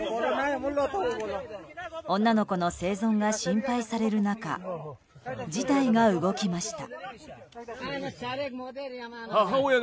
女の子の生存が心配される中事態が動きました。